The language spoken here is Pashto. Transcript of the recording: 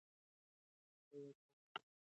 ایا تاسو د خپلو ژمنو تعقیب کوئ؟